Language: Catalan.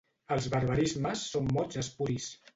Els barbarismes són mots espuris.